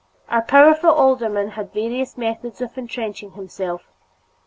Our powerful alderman had various methods of entrenching himself.